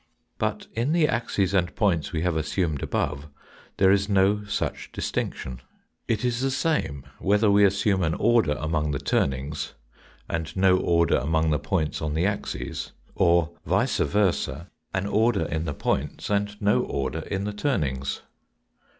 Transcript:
But in the axes and points we have assumed above there is no such distinction. It is the same, whether we assume an order among the turnings, and no order among the points on the axes, or, vice versa, an order in APPLICATION TO KANT'S THEORY OF EXPERIENCE 119 the points and no order in the turnings.